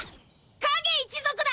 影一族だ！